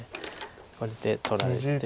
これで取られて。